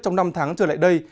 trong năm tháng trở lại đây